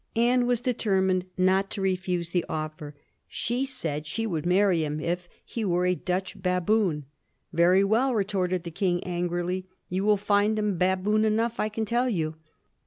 Anne was determined not to refuse the offer; she said she would marry him if he were a Dutch baboon. " Very well," retorted the King, angrily ;" you will find him baboon enough, I can tell you."